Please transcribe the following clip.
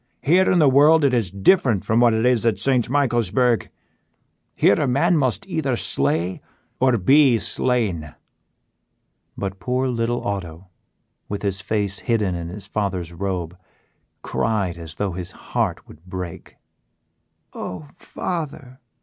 Here in the world it is different from what it is at St. Michaelsburg; here a man must either slay or be slain." But poor little Otto, with his face hidden in his father's robe, cried as though his heart would break. "Oh, father!"